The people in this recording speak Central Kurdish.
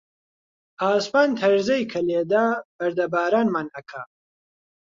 ئاسمان تەرزەی کە لێدا، بەردەبارانمان ئەکا